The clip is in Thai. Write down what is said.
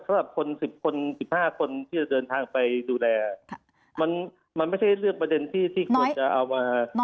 สำหรับคน๑๐คน๑๕คนที่จะเดินทางไปดูแลมันมันไม่ใช่เรื่องประเด็นที่ที่ควรจะเอามา